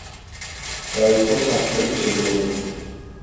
დაიწყო სახსრების შეგროვება.